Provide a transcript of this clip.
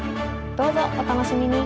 どうぞお楽しみに！